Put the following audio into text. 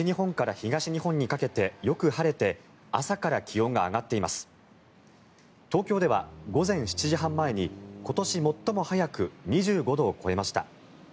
東京では午前７時半前に今年最も早く２５度を超えました。